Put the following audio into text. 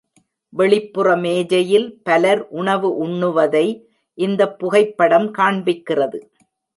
வெளிப்புற மேஜையில் பலர் உணவு உண்ணுவதை இந்தப் புகைப்படம் காண்பிக்கிறது.